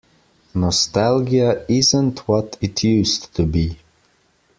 Nostalgia isn't what it used to be.